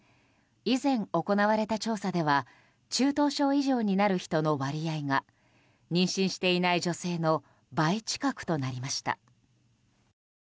以前、行われた調査では中等症以上になる人の割合が妊娠していない女性の倍近くとなりました。